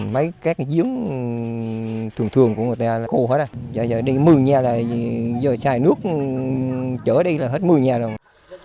mấy cái dưỡng thường thường của người ta là khô hết giờ đây một mươi nhà giờ chai nước chở đây là hết một mươi nhà rồi